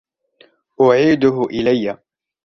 أعيده إلي.